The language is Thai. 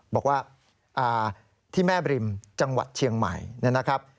บอกว่าที่แม่บริมจังหวัดเชียงใหม่นะครับ